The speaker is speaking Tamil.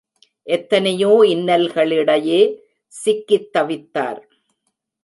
எத்தனையோ இன்னல்களிடையே சிக்கித் தவித்தார்.